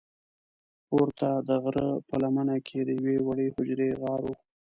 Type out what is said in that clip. پورته د غره په لمنه کې د یوې وړې حجرې غار و.